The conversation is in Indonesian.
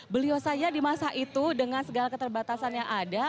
beliau saja di masa itu dengan segala keterbatasan yang ada